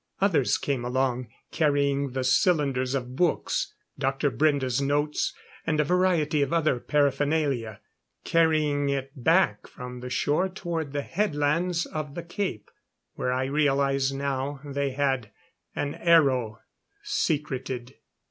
Others came along, carrying the cylinders of books Dr. Brende's notes and a variety of other paraphernalia. Carrying it back from the shore toward the headlands of the Cape, where I realized now they had an aero secreted.